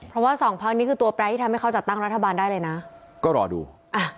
เพราะว่าสองพักนี้คือตัวแปรที่ทำให้เขาจัดตั้งรัฐบาลได้เลยนะก็รอดูอ่ะ